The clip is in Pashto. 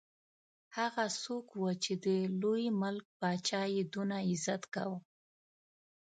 هغه څوک وو چې د لوی ملک پاچا یې دونه عزت کاوه.